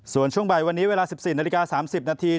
ส่วนช่วงบ่ายวันนี้เวลา๑๔นาฬิกา๓๐นาที